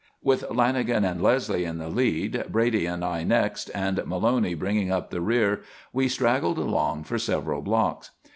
With Lanagan and Leslie in the lead, Brady and I next and Maloney bringing up the rear, we straggled along for several blocks.